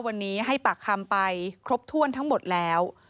วันนี้ให้ปากคำไปครบถ้วนทั้งหมดแล้ว